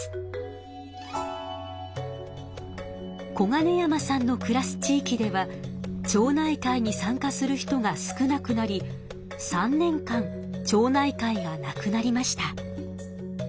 小金山さんのくらす地域では町内会に参加する人が少なくなり３年間町内会がなくなりました。